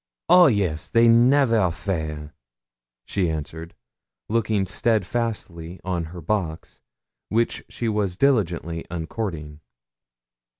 'Oh yes, they never fail,' she answered, looking steadfastly on her box, which she was diligently uncording.